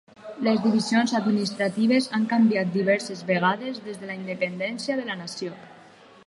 Les divisions administratives han canviat diverses vegades des de la independència de la nació.